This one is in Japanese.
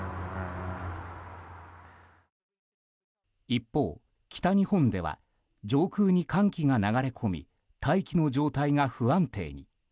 一方、北日本では上空に寒気が流れ込み大気の状態が不安定に。